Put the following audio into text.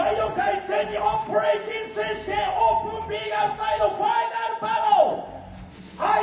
全日本ブレイキン選手権オープンＢＧＩＲＬサイドファイナルバトル！